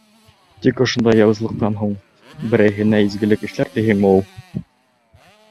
Тик ошондай яуызлыҡтан һуң берәйһенә изгелек эшләр тиһеңме ул?